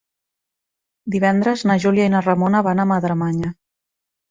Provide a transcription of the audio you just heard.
Divendres na Júlia i na Ramona van a Madremanya.